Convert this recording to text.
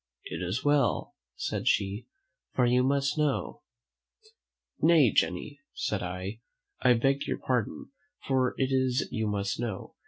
"It is well," said she, "for you must know " "Nay, Jenny," said I, "I beg your pardon, for it is you must know.